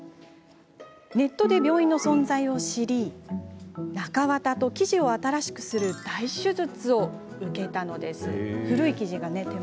ネットで病院の存在を知り中綿と生地を新しくする大手術を受けたのです。